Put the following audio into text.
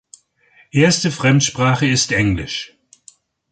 Erste Fremdsprache ist Englisch.